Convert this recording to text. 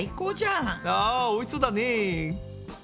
あおいしそうだね。